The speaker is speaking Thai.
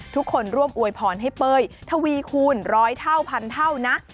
ร่วมอวยพรให้เป้ยทวีคูณร้อยเท่าพันเท่านะ